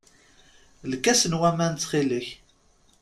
Lkas n waman, ttxil-k.